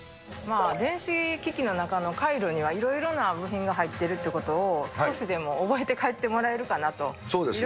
電子機器の中の回路にはいろいろな部品が入ってるっていうことを少しでも覚えて帰ってもらえるかなと。